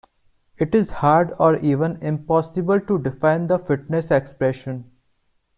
It is hard or even impossible to define the fitness expression.